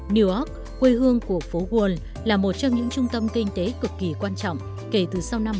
new york quê hương của phố wall là một trong những trung tâm kinh tế cực kỳ quan trọng kể từ sau năm một nghìn chín trăm bốn mươi năm